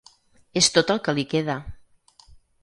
És tot el que li queda.